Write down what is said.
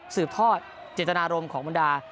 สืบทอดเจตนารมณ์ของบรรดา